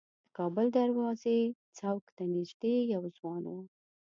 د کابل دروازې څوک ته نیژدې یو ځوان و.